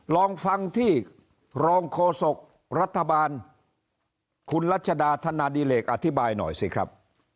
ลองฟังที่รองโฆษกรัฐบาลคุณรัชดาธนาดิเหลกอธิบายหน่อยสิครับ